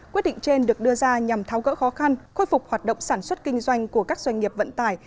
quyết định trên được đưa ra nhằm tháo gỡ khó khăn khôi phục hoạt động sản xuất kinh doanh của các doanh nghiệp vận tải